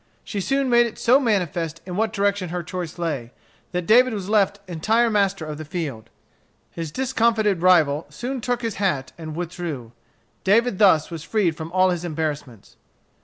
She soon made it so manifest in what direction her choice lay, that David was left entire master of the field. His discomfited rival soon took his hat and withdrew, David thus was freed from all his embarrassments.